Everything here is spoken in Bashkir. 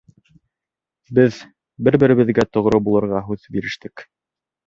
Беҙ бер-беребеҙгә тоғро булырға һүҙ бирештек.